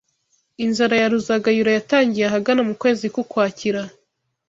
Inzara ya Ruzagayura yatangiye ahagana mu kwezi kw’Ukwakira